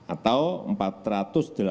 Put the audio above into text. ini gede sekali